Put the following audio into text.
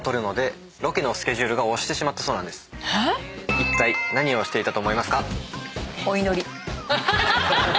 いったい何をしていたと思いますか？